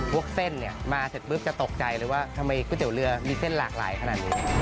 พวกเส้นเนี่ยมาเสร็จปุ๊บจะตกใจเลยว่าทำไมก๋วยเตี๋ยวเรือมีเส้นหลากหลายขนาดนี้